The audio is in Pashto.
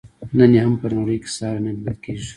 نن یې هم په نړۍ کې ساری نه لیدل کیږي.